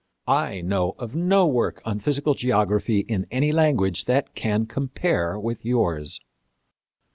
I know of no work on physical geography in any language that can compare with yours."